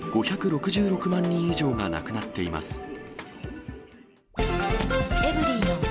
５６６万人以上が亡くなっています。